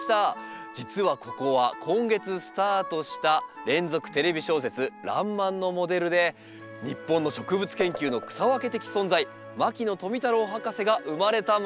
実はここは今月スタートした連続テレビ小説「らんまん」のモデルで日本の植物研究の草分け的存在牧野富太郎博士が生まれた町なんです。